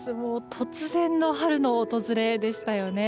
突然の春の訪れでしたよね。